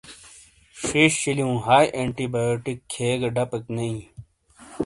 ݜیݜ شیلیوں ہائی اینٹی بایوٹیک کھیے گہ ڈَپیک نے بِیں۔